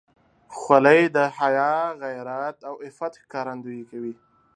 خولۍ د حیا، غیرت او عفت ښکارندویي کوي.